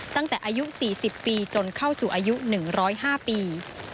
ตั้งแต่อายุ๔๐ปีจนเข้าสู่อายุ๑๐๕ปี